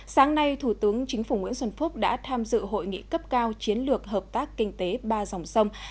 sáng nay thủ tướng chính phủ nguyễn xuân phúc đã tham dự hội nghị cấp cao chiến lược hợp tác kinh tế ba dòng sông